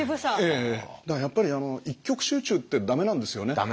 だからやっぱり一極集中ってダメなんですよね。